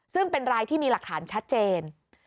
ซึ่งเป็นรายที่มีหลักฐานชัดเจน